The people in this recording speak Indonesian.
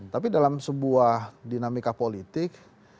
tapi dalam sebuah dinamika politik